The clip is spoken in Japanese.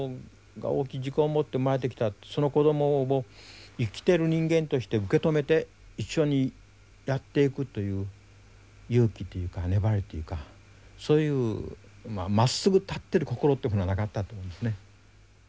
その子どもを生きてる人間として受け止めて一緒にやっていくという勇気というか粘りというかそういうまっすぐ立ってる心ってものはなかったと思うんですね。